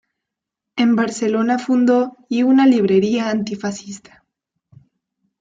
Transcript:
En Barcelona fundó y una librería antifascista.